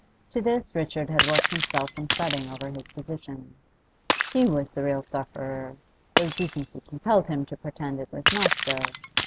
To this Richard had worked himself in fretting over his position; he was the real sufferer, though decency compelled him to pretend it was not so.